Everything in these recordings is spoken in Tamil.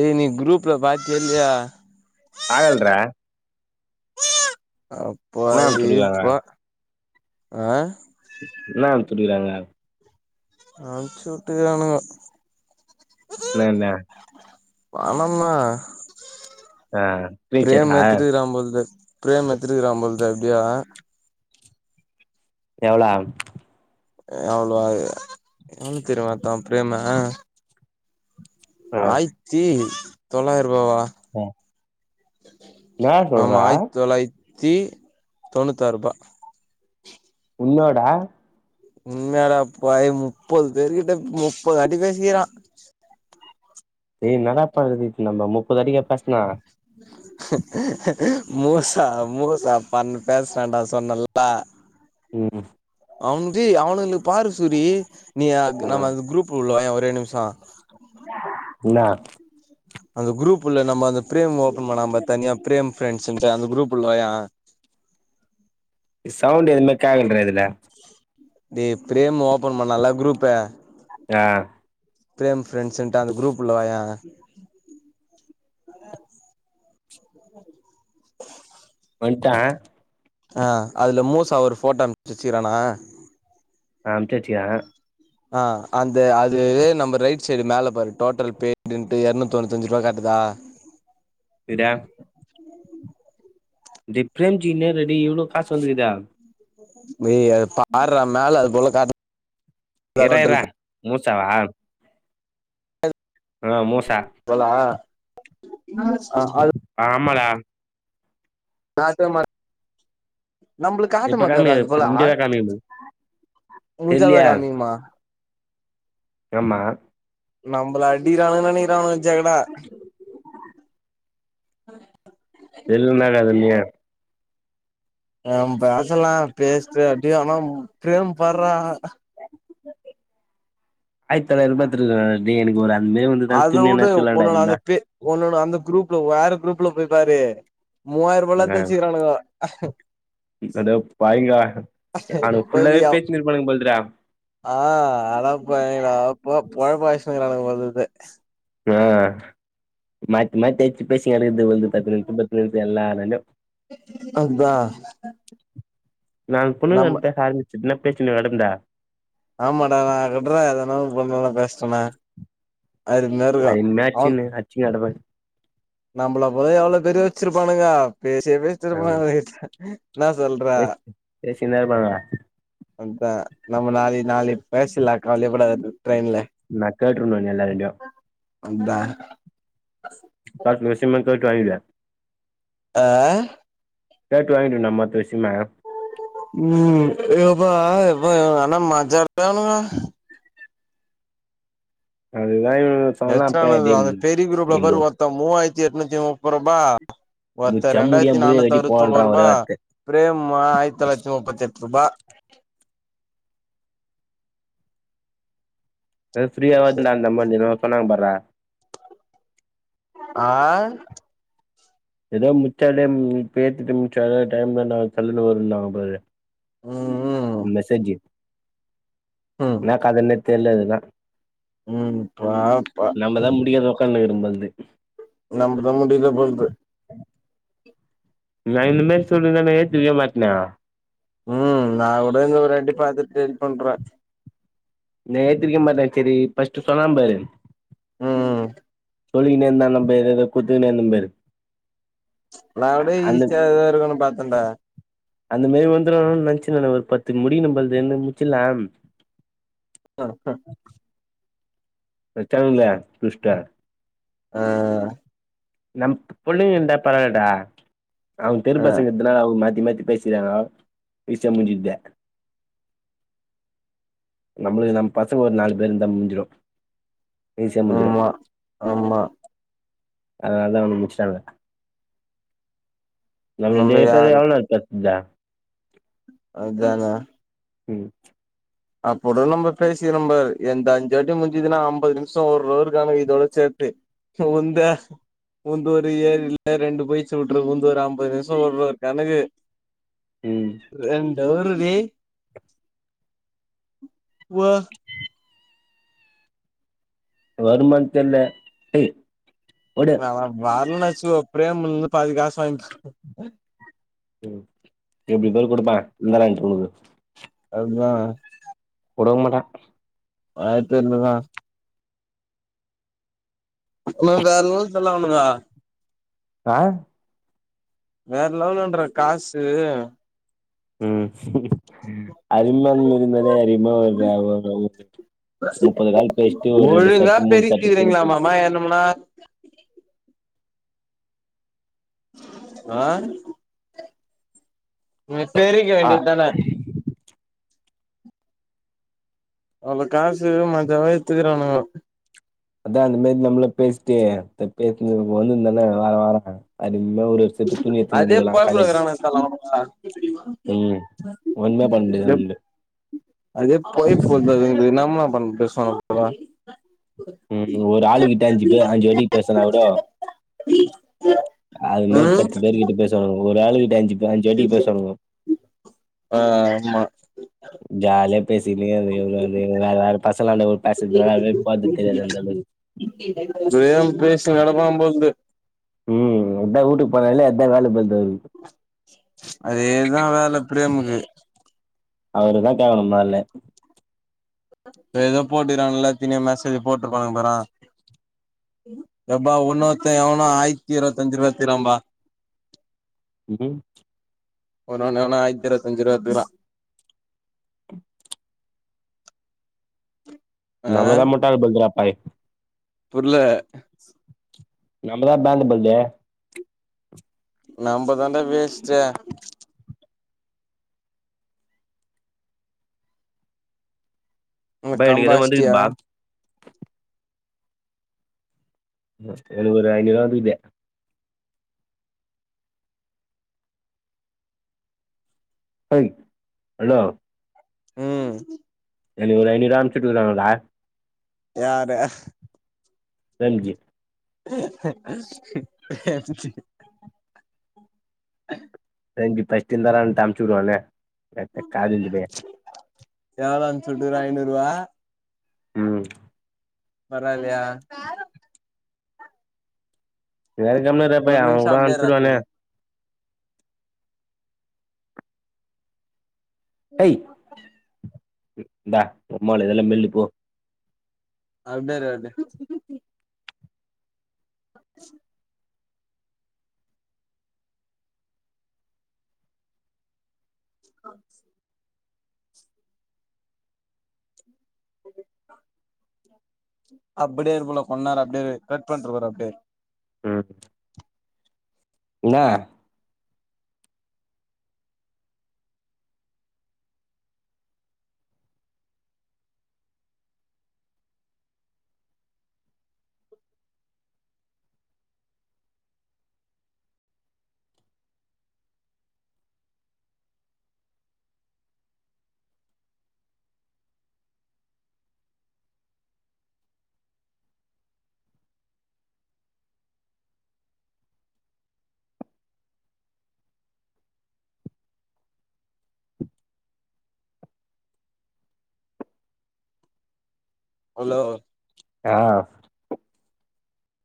ஏ நீ குரூப்ல பாத்தியா இல்லியா பாகல்ரா அப்பா என்ன எ அனுப்ச்சுடுக்காங்க ஈப்பா ஆ என்ன அம்சுட்டுருக்காங்க அம்ச்சுட்டுக்கானுகோ என்னனு பணம்மா ஆ பிரேம் ஸ்க்ரீன்ஷாட்டா எத்துட்டுருக்கா போலே பிரேம் எத்துட்டுருக்கா பொல்து எப்டியோ எவ்ளா எவ்ளவா எவ்ள தெரிமா எடுத்தா பிரேமு ஆ ஆயித்தி தொள்ளாயிரூவாவா என்னா ஆமா சொல்றா ஆயித் தொள்ளாயித்தி தொண்ணூத்தாரூபா உண்மேடா உண்மேல அடப்பாவி முப்பது பேரு கிட்ட முப்பது வாட்டி பேசிக்கிறா ஏ என்னடா பண்றது இப்ப நம்ம முப்பது வாட்டிக்கா பேசனா உம் மூசா மூசா பண்ணு பேசுறான்டா சொன்னல்ல ம் அவனுக்கு அவனுங்களுக்கு பாருசூரி நீ நம்ம அந்த குரூப் உள்ள வாயே ஒரே நிம்ஷோ என்ன அந்த குரூப் உள்ள நம்ம அந்த பிரேம் ஓபன் பண்ணா பாத்தனியா பிரேம் ஃப்ரண்ட்ஸ்ன்ட்டு அந்த குரூப் உள்ள வாயே சவுண்ட் எதுவுமே கேக்கலறா இதுல டேய் பிரேம் ஓபன் பண்ணால்லா குரூப் ஆ பிரேம் ஃப்ரெண்ட்ஸ்ன்ட்டு அந்த குரூப் உள்ள வாயே [inaudible] வன்ட்டே ஆ அதுல மூசா ஒரு போட்டோ அம்ச்சி வச்சிக்கிறானா ஆ அம்ச்சி வச்சிகிறா ஆ அந்த அது நம்ம ரைட் சைடு மேல பாரு டோட்டல் பெய்ட்ன்ட்டு இரநூத்தி தொண்ணூத்தஞ்சி ரூவா காட்டுதா [inaudible] [inaudible] திட டேய் பிரேம் ஜீ இன்ன ரெடி இவ்ளோ காசு வந்துக்குதா டேய் அத பார்றா மேல அது போல காட்டு இர்றா இர்றா மூச்சாவா ஆ மோச தோழா ஆமலா நா இருக்க மாட் நம்பளுக்கு காட்ட இப்ப மாட்டதேடா காமிக்க அது போல முடிஞ்சதா காமிக்க முடியாது முஞ்சாதா தெர்லயா காமிக்குமா ஆமா நம்பள அடிக்கிறானுக நெனைக்கிறானுக ஜகடா எள்ளுன்னா என்னது தம்பி ஆ பேசலா பேசிட்டு அப்டியே ஆனா பிரேம் பார்றா ஆய் தல எதிர் பாத்துட்ருக்கே நானு நீ எனக்கு ஒரு அன்பே வந்து தான அத துணி எதுனா வுடு எடுத்துக்கிலாண்டா உன்னோட அந்த என்ன பே உன்னோட அந்த குரூப்ல வேற குரூப்ல போய் பாரு மூவாயிரோ ரூவாலா ஆ தேச்சிக்கிறானுக அட பாவிகளா ஆன ஃபுல்லாவே போவியா பேச்சின்னு இருப்பானுங்க போலறா ஆ அட பாவிகளா பொ பொழப்ப அழிச்சின்னுஇருக்கானுங்க போல தெரிது ஆ மாத்தி மாத்தி அடிச்சி பேசிங்கெடக்குது இது வந்து பத்து நிமிஷோ பத்து நிமிஷோ எல்லாலண்டு அதா நான் நம்ம பொண்ணுங்கட்ட பேச ஆரம்பிச்சதுன்ன பேச்சின்ன வடந்தா ஆமடா நான கட்றே அதனால பொண்ணுங்க கூட பேசிட்டனே அழுதுகின்னே இருக்கு அது என்ன அவன் ஆச்சுன்னு அடிச்சுனு கெடப்பே நம்பள போல எவ்ளோ பேர் யோசிச்சிருப்பானுக பேசிய ஆ பேசிருப்பான பேசு பேசின்னு தா இருப்பானுங்க அதா நம்ம நாளி நாளிக்கு பேசில்லா காவலயே படாத நா கேட்ருன்னு எல்லாரான்டயு அதா பாத்து இந்த விஷயமா கேட்டு வாங்கீடு ஆ கேட்டு வாங்கீடு நா மத்த விசியமா ம் எப்பா எப்பா ஆனா மஜா [inaudible] அது எத்தானது அந்த பெரி குரூப்ல நீ ப மூ ஒர்த்த மூவாயித்தி எட்நூத்தி முப்பரூபா ஒர்த்த முச்சா முடியா ரெண்டாயிர்த்தி முடிய நானூத்தி வெட்டி போடான்றா ஒரே அறுபத்தொம்போரூபா வார்த் ப்ரேம் மா ஆயித் தொள்ளாயித்தி முப்பத்தெட்ரூபா எ ஃப்ரீயா [unintelligible] பண்ணாங்க பார்ரா ஆ எதோ முச்சாலே ம் பேத்துட்டு முச்சாத டைம்ல நா சல்லுனு [unintelligible] ம் மெசேஜு ம் என்னா காதுல்லே தெரிலேன்ன ம் பாப்ப அங்கந்து நமுக் முடியில போகுது நா இந்த மே சொல்லிந்தாவே பிரிய மாட்னா ம் நா கூட இத ஒராட்டி பாத்துட்டு இத் பண்றே நே ஏத்திருக்கே மாட்டே ஆக்சலி பஸ்ட்டு சொன்னாம் பாரு ம் சொல்லிந்தே நா நம்பேரியாலே கூட்டிண்டேனும்பாரு ந அப்டே ஈசியாதா இருக்குன் பாத்தேன்டா அந்த மாரி வந்துரூன் நென்ச்சு நா ஒரு பத்துக்கு முடிக்குணும் போல்துன் முச்சிட்லாம் வரப்பெ வெத்தவுங்ளே புஷ்டே ஆ நம் புள்ளிங் இந்தா பராவல்டா அவுங்க தெரு ஆ பசங்க இப்ட்தா மாத்தி மாத்தி பேசிகாங்கோ விஷ முஞ்சுத்தே நம்ளுகு நம் பசங்க ஒரு நாலு பே இந்தா முஞ்சிடூ ஆமா ஆமா அதனாலதா அவனுங்க முச்டாங்க நம்ம [unintelligible] இந்தா மஜாதா ம் அப்போத நம்ம பேசிகிறோம்பாரு எந்த அஞ்சாட்டி முஞ்சுதனா அம்பது நிமிஷோ ஒரு ஒருக்கானு இதோட சேத்து கி உந்த உந்து ஒரு ஏழ் இல்ல ரெண்டு போயிச்சுவுட்ருக்கூ உந்து ஒரு அம்பது நிமிஷோ ஓடுற கணக்கு ம் ரெண்டு அவருவே வா கவுர்மெண்டில்ல பெ வ வாரனாச்ல ஒ பிரேமுல் பாதி காசு வாங்ட் ம் எப்டி போய் குடுப்பா இந்தாடா ஐஃபோனுனு ங்கா குடுக்க மாட்டா ஆ தெர்ஞ்சதா ம் வேறென்னு சொல்லாவுனுங்கா ஆ வேற லெவலன்ற காசு ம் அரிமா மிருந்ததே அரிமா [unintelligible] முப்பது கால் பேசிட்டு ஒரு ரெண்டு ஒழுங்கா செட்டு முச்சா தூக்கிணி போயிரூ பெருக்கிக்கிறீங்களாமாமா என்னமுன்னா வா ம் செரிகு ஆ வேண்டித்தானே அவ்ள காசு மஜாவா எத்துக்கிறானுகோ அதா அந்து மாரி நம்மளு பேசிட்டு [unintelligible] வார வார இந்தா ஒரு செட் துணி எத்துனு வந்துக்கலா காலேஜ்க்கு ம் ஒண்ணு உண்டு உண்டு அதே போய் [unintelligible] என்னாம்மா பண்ண பிரச்சன உனக்கு ம் ஒரு ஆளு கிட்ட அஞ்சு பேரு அஞ்சு வாடிக்கு பேசனா கூட அ என்ன ம் பத்து பேர்கிட்ட பேசுவாங்க ஒரு ஆள் கிட்ட அஞ்சு அஞ்சு வாட்டிக்கு பேசுவானுங்க ஆ ஆமா ஜா பேசிக்னே வருது இவங் இவங்கனு வேற வேற பசங்கலான்ட பேசறதுனாலவே போர்து தெரியாது அந்த அளவு வே [unintelligible] போல்து ம் அதா வூட்டுக்கு போனாலே அதா வேல போல்து அவர்க்கு அதேதா வேல ப்ரேம்க்கு அவருதா கேக்கணு முன்னாலே இப்ப எதோ போட்டுறாங்கல்ல எத்தினி மெசேஜ் போட்டுருக்காங்க பாரன் எப்பா உன்னொத்த எவனோ ஆயித்த இருவத்தஞ்சிருபா எடுத்திரகாம்பா இதேம் ஒன்னு ஒன்னா ஆயிரத்து இருவத்தஞ்சுருபா எடுத்துக்ரான் நம்மதா முட்டாள் போல்த்ருதா பாய் புர்ல நம்மதா பாண்டு போல்து நம்மதான்டா வேஷ்ட்டு இந்த ப்பா எனக்கு கம்பா தோ வந்துகிது அஷ்டியா பா ஜஸ்ட் எனக்கு ஒரு ஐநூறுவா வந்துகிது ஏய் ஹலோ ம் எனக்கி ஒரு ஐநூறூபா அமிச்சிட்டுருக்காங்களா யாரு பிரேம்ஜி ஹ ஹ ஹ ரெண்டு பஷ்ஷூடு இந்தாரன்ட்டு அம்ச்சு வுடுவானே செத்த கால்லூலி பயன் எவ்ளோ அம்சுட்டுருகா ஐநூறு ரூவா ம் பரவாலயா ஏ கம்னுரு ஒரு பயா அவன் நிமிஷோ கூட அப்டியே இர்றா அனுச்சுடுவானா சூரி ம் ஏய் அப்பா இந்தா மொதல்ல இதெல்லா மெல்லு போ அப்டே இரு வருட்டு [inaudible] ஆ [inaudible] அப்டியே இரு புள்ள கொன்னேரோ அப்டியே இரு கட் பண்ட்டு வர்ர அப்டியே இரு ம் இந்தா ஹலோ ஆ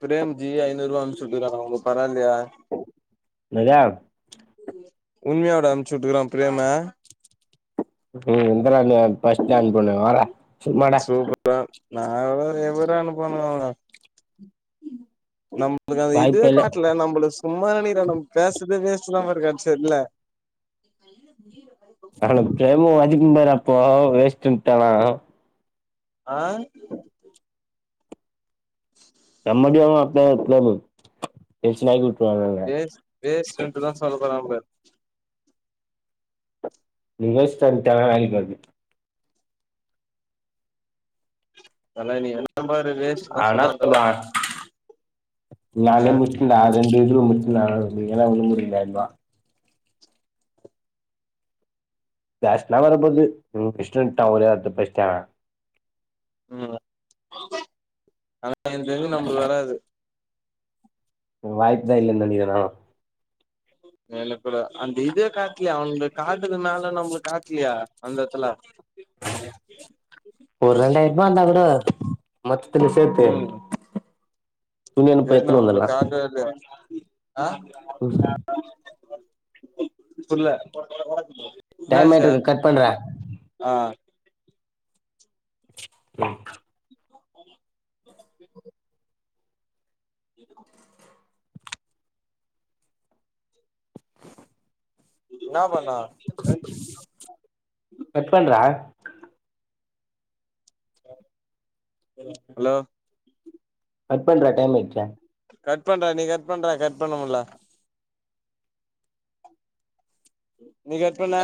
பிரேம்ஜி ஐநூறு ரூபா அம்ச்சிட்டு விட்டுறுகாரா உனக்கு பரவால்யா என்னது உண்மியாவாடா அம்ச்சுட்டுக்கறா பிரேமு ம் இங்கதா இங்க பஸ்ட்டு அனுப்புன வாடா சும்மாடா நால்லா எவரு அனுப்பனு நம் உங்ளுக்கு அந்த இதுவே வாய்ப்பே இல்ல காட்டுல நம்பலுஸ் சும்மா இரு நீரா நம் பேசுதே வேஸ்ட்டுதா மார் இருக்கா செர்ல அவனுக்கு பிரேமு அதிகுந்தான அப்போ வேஸ்ட்ன்டானா ஆ நம்மடியாலா அப்ளா இருக்காது டென்ஷன் ஆக்கி விட் வேஸ் பேஸ்ரன்ட்டுதா சொல்டுறான் பார் நீ பேஸ்ட்வன்ட்டனா வாலிக்காக்கு நல்லா நீ பாரு வேஸ்ட் ஆ தா என்ன சொல்லுவா தல சொன்ன ஆ நாளே நிக்குடா ரெண்டு திரும் முண்சுனா நீங்களா ஒன்னு முடிலான்வா டாஸ்க்லா வரப்போது உன்க் இஸ்டொன்ட்டா ஒரே வார்த்த பேஸ்ட்டானா உம்யாவா ஆனா எனக்கு தெரிஞ்சு நம்ளுக்கு வராது வாய்ப்பு தான் இல்லன் நெனைக்குறான் எனக்கூட அந்த இதே காட்ல்யா அவ்ன்ள்து காட்டுதுனால நம்ளுக் காட்ல்யா அந்த எட்த்துல ஒர் ரெண்டாய்ர்பா இர்ந்தா கூட மத்துதிலு சேத்து ம் என்ன நம்ப கால்தா அது ஆ ம் புர்ல டைம் ஆயிட்டு நாசா இருக்கு கட் பண்றே ஆ ம் [inaudible] இருக்கு ன்னா பண்ணா கட் பண்றா ஹலோ கட் பண்றா டைம் ஆய்ட்சே கட் பண்றா நீ கட் பண்றா கட் பண்ணமுல்ல நீ கட் பண்ண